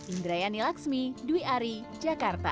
indrayani laxmi dewi ari jakarta